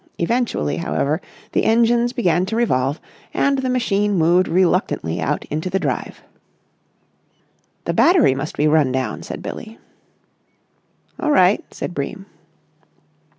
Eventually, however, the engines began to revolve and the machine moved reluctantly out into the drive. "The battery must be run down," said Billie. "All right," said Bream.